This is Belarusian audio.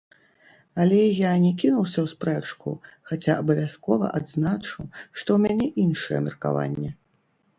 Але я не кінуся ў спрэчку, хаця абавязкова адзначу, што ў мяне іншае меркаванне.